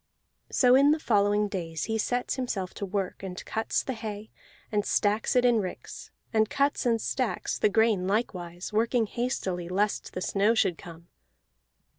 So in the following days he sets himself to work, and cuts the hay, and stacks it in ricks; and cuts and stacks the grain likewise, working hastily lest the snow should come.